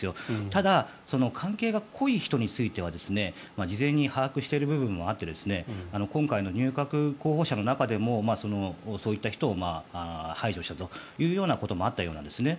ただ、関係が濃い人については事前に把握している部分もあって今回の入閣候補者の中でもそういった人を排除したということもあったようなんですね。